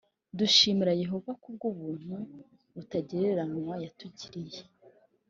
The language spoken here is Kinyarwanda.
Dushimira Yehova ku bw’ubuntu butagereranywa yatugiriye